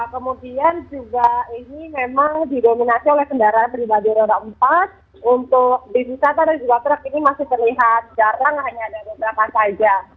kemudian juga ini memang didominasi oleh kendaraan beribadir orang empat untuk di wisata dan di jual truk ini masih terlihat jarang hanya ada beberapa saiz